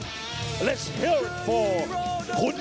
สวัสดีครับทุกคน